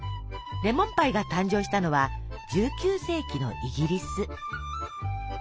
レモンパイが誕生したのは１９世紀のイギリス。